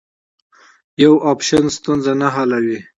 یو اپشن ستونزه نه حلوي.